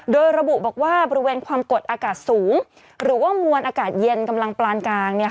โดยระบุบอกว่าบริเวณความกดอากาศสูงหรือว่ามวลอากาศเย็นกำลังปลานกลาง